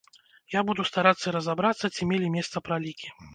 Я буду старацца разабрацца, ці мелі месца пралікі.